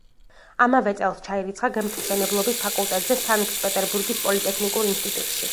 ამავე წელს ჩაირიცხა გემთმშენებლობის ფაკულტეტზე, სანქტ-პეტერბურგის პოლიტექნიკურ ინსტიტუტში.